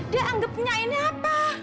dianggap punya ini apa